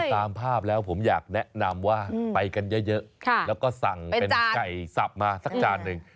ตามภาพแล้วผมอยากแนะนำว่าไปกันเยอะแล้วก็สั่งเป็นไก่สับมาสักจานหนึ่ง